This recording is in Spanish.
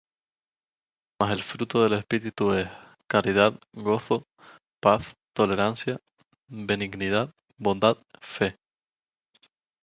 Mas el fruto del Espíritu es: caridad, gozo, paz, tolerancia, benignidad, bondad, fe,